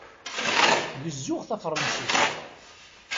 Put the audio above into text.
Gezzuɣ tafṛansist.